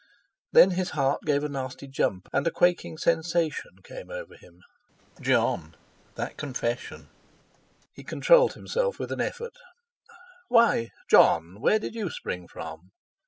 Then his heart gave a nasty jump; and a quaking sensation overcame him. Jon! That confession! He controlled himself with an effort. "Why, Jon, where did you spring from?"